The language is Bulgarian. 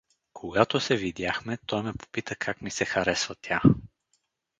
Когато се видяхме, той ме попита как ми се харесва тя.